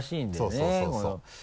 そうそうそううん。